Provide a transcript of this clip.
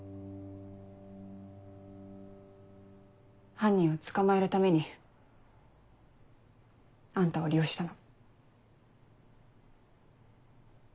犯人を捕まえるためにあんたを利用したの。